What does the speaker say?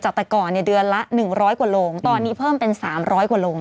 แต่ก่อนเดือนละ๑๐๐กว่าโรงตอนนี้เพิ่มเป็น๓๐๐กว่าโรง